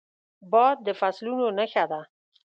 باد د فصلونو نښه ده